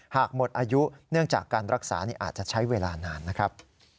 หากหมดอายุเนื่องจากการรักษาอาจจะใช้เวลานานนะครับ